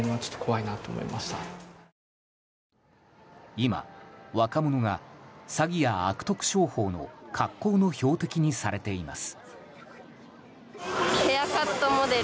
今、若者が詐欺や悪徳商法の格好の標的にされています。